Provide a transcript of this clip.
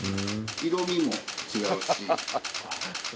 色味も違うし。